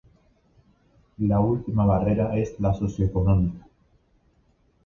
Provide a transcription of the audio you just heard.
La última barrera es la socioeconómica.